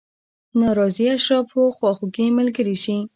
ناراضي اشرافو خواخوږي ملګرې شي.